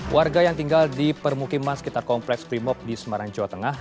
warga yang tinggal di permukiman sekitar kompleks primob di semarang jawa tengah